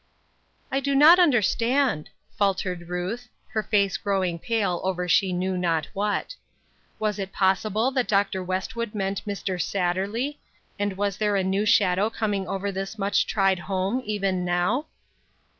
" I do not understand, " faltered Ruth, her face growing pale over she knew not what. Was it possible that Dr. Westwood meant Mr. Satterley, and was there a new shadow coming over this much tried home, even now